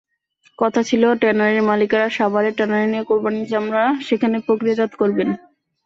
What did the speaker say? কথা ছিল, ট্যানারির মালিকেরা সাভারে ট্যানারি নিয়ে কোরবানির চামড়া সেখানে প্রক্রিয়াজাত করবেন।